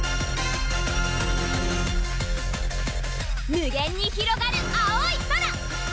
無限にひろがる青い空！